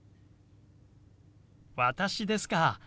私ですか？